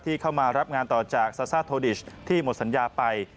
เข้ามารับงานต่อจากซาซ่าโทดิชที่หมดสัญญาไป